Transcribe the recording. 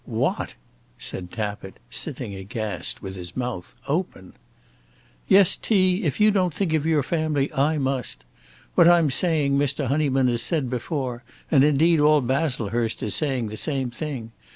"What!" said Tappitt, sitting aghast with his mouth open. "Yes, T.; if you don't think of your family I must. What I'm saying Mr. Honyman has said before; and indeed all Baslehurst is saying the same thing.